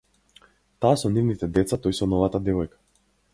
Таа со нивните деца, тој со новата девојка